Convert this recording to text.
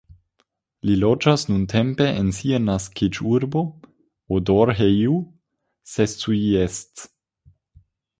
Li loĝas nuntempe en sia naskiĝurbo, Odorheiu Secuiesc.